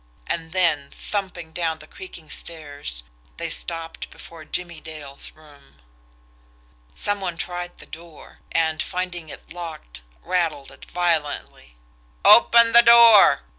And then, thumping down the creaking stairs, they stopped before Jimmie Dale's room. Some one tried the door, and, finding it locked, rattled it violently. "Open the door!"